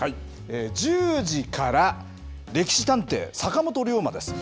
１０時から、歴史探偵、坂本龍馬です。